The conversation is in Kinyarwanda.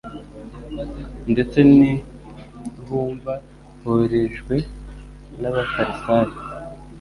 Ndetse n'inhumva zoherejwe n'abafarisayo,